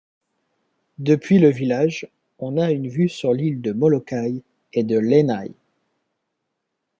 Depuis le village on a une vue sur l'île de Molokai et de Lanai.